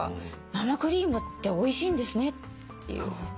生クリームっておいしいんですねっていう。